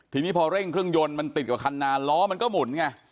ทีนี้พอเร่งเครื่องยนต์มันติดกับคันนานล้อมันก็หมุนไง